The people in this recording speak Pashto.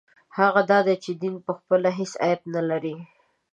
هغه دا دی چې دین پخپله هېڅ عیب نه لري.